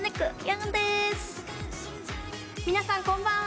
皆さんこんばんは。